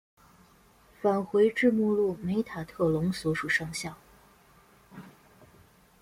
返回至目录梅塔特隆所属上校。